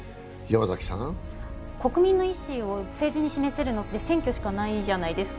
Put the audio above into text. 国民の意思を政治に示せるのって選挙しかないじゃないですか。